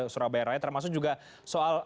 surabaya raya termasuk juga soal